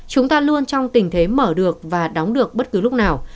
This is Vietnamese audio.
chúng ta luôn trong tình thế mở được và đóng được bất cứ lúc nào